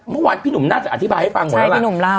เมื่อวานพี่หนุมน่าจะอธิบายให้ฟังก่อนอะแหละ